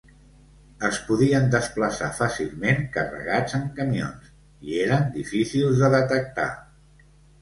Es podien desplaçar fàcilment carregats en camions i eren difícils de detectar.